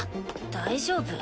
大丈夫？